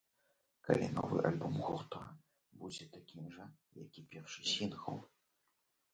Калі новы альбом гурта будзе такім жа, як і першы сінгл.